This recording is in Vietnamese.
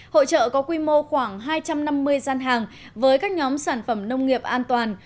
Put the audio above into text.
hội trợ có quy mô khoảng hai trăm năm mươi gian hàng với các nhóm sản phẩm nông nghiệp an toàn